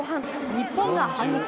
日本が反撃。